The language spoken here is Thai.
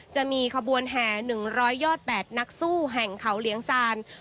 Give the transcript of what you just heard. จะมีขบวนแห่๑๐๐ยอด๘นักสู้แห่งเขาเหลียงซาน